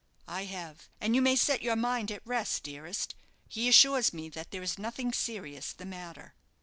"I have; and you may set your mind at rest, dearest. He assures me that there is nothing serious the matter."